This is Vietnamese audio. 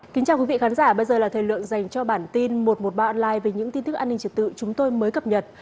kính chào quý vị khán giả bây giờ là thời lượng dành cho bản tin một trăm một mươi ba online về những tin tức an ninh trật tự chúng tôi mới cập nhật